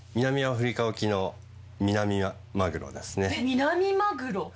ミナミマグロ？